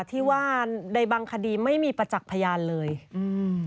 ที่ว่าในบางคดีไม่มีประจักษ์พยานเลยอืม